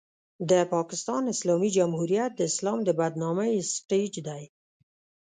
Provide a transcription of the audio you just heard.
د پاکستان اسلامي جمهوریت د اسلام د بدنامۍ سټېج دی.